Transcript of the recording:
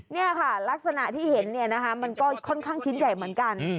นี่ค่ะลักษณะที่เห็นเนี่ยนะคะมันก็ค่อนข้างชิ้นใหญ่เหมือนกัน